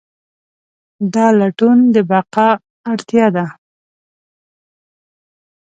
دا لټون د بقا اړتیا ده.